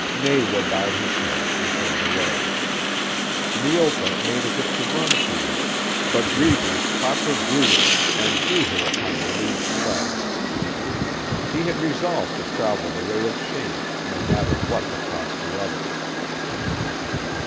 Nawa bowed his head and turned away. Neopa made as if to run to him, but Reivers caught her brutally and threw her upon the lead sledge. He had resolved to travel the way of shame, no matter what the cost to others.